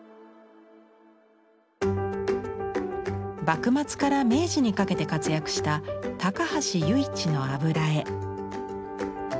幕末から明治にかけて活躍した高橋由一の油絵。